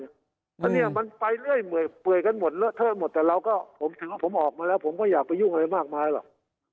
อันนี้มันไปเรื่อยเปื่อยกันหมดเลอะเทอะหมดแต่เราก็ผมถือว่าผมออกมาแล้วผมก็อยากไปยุ่งอะไรมากมายหรอก